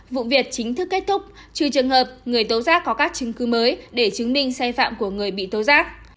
vụ việc chính thức kết thúc trừ trường hợp người tố giác có các chứng cứ mới để chứng minh sai phạm của người bị tố giác